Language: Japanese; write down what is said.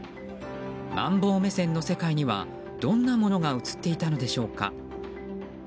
マンボウ目線の世界にはどんなものが映っていたのでしょうか。